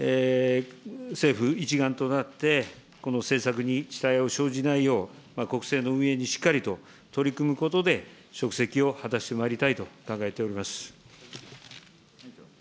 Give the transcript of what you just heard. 政府一丸となって、この政策に遅滞を生じないよう、国政の運営にしっかりと取り組むことで、職責を果たしてまいりたいと考えております。